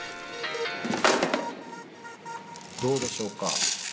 どうでしょうか？